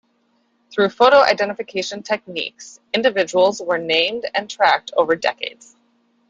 Through photo-identification techniques, individuals were named and tracked over decades.